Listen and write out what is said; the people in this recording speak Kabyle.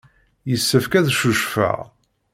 Yessefk ad ccucfeɣ.